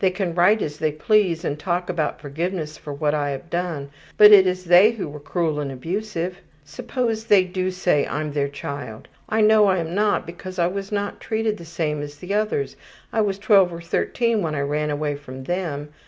They can write as they please and talk about forgiveness for what I have done, but it is they who were cruel and abusive. Suppose they do say I'm their child. I know I am not because I was not treated the same as the others. I was 12 or 13 when I ran away from them.